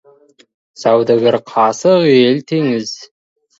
Саудагер — қасық, ел — теңіз.